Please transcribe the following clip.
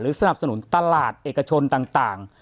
สนับสนุนตลาดเอกชนต่าง